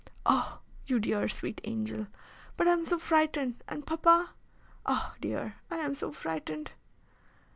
"Oh! you dear, sweet angel! But I am so frightened! And papa? Oh! dear, I am so frightened!"